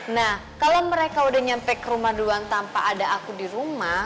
nah kalau mereka udah nyampe ke rumah duluan tanpa ada aku di rumah